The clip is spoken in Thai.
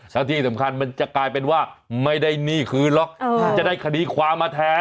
แล้วที่สำคัญมันจะกลายเป็นว่าไม่ได้หนี้คืนหรอกมันจะได้คดีความมาแทน